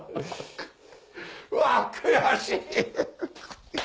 うわっ悔しい！